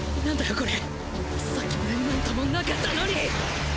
これさっきまで何ともなかったのに！！